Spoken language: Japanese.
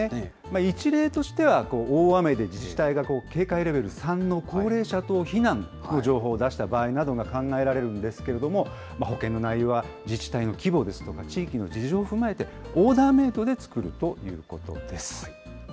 一例としては、大雨で自治体が警戒レベル３の高齢者等避難の情報を出した場合などが考えられるんですけれども、保険の内容は自治体の規模ですとか、地域の事情を踏まえてオーダーメードで作るということです。